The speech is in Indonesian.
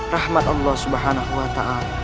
rahmat allah swt